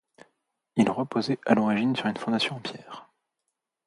Il reposait, à l'origine sur une fondation en pierre.